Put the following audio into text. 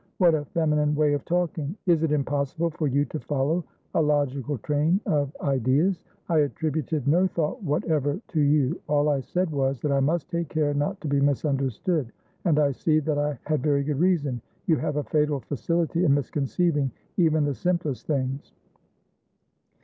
"What a feminine way of talking! Is it impossible for you to follow a logical train of ideas? I attributed no thought whatever to you. All I said was, that I must take care not to be misunderstood. And I see that I had very good reason; you have a fatal facility in misconceiving even the simplest things."